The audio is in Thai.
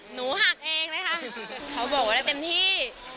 หนูหักเองนะคะเขาบอกว่าได้เต็มที่